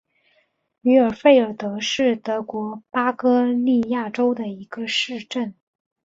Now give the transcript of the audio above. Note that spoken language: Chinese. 于尔费尔德是德国巴伐利亚州的一个市镇。